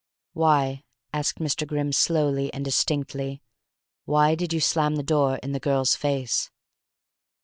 "Why," asked Mr. Grimm slowly and distinctly, "why did you slam the door in the girl's face?"